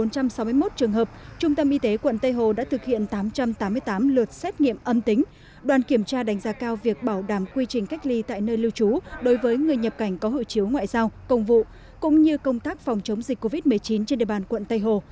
trong một trăm sáu mươi một trường hợp trung tâm y tế quận tây hồ đã thực hiện tám trăm tám mươi tám lượt xét nghiệm âm tính đoàn kiểm tra đánh giá cao việc bảo đảm quy trình cách ly tại nơi lưu trú đối với người nhập cảnh có hộ chiếu ngoại giao công vụ cũng như công tác phòng chống dịch covid một mươi chín trên địa bàn quận tây hồ